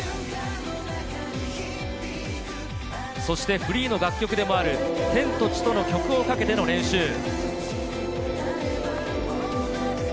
そしてフリーの楽曲でもある『天と地と』の曲をかけての練習。